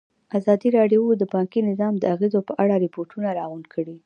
ازادي راډیو د بانکي نظام د اغېزو په اړه ریپوټونه راغونډ کړي.